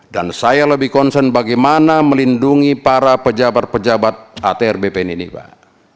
dan saya lebih concern bagaimana melindungi para pejabat pejabat atr bpn ini pak